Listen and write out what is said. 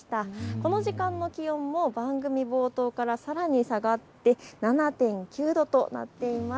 この時間の気温も番組冒頭からさらに下がって７．９度となっています。